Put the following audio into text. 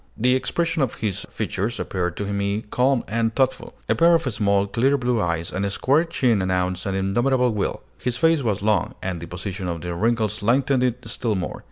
The expression of his features appeared to me calm and thoughtful. A pair of small, clear blue eyes and a square chin announced an indomitable will. His face was long, and the position of the wrinkles lengthened it still more.